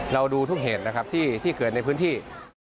เราดูทุกเหตุนะครับที่เกิดในพื้นที่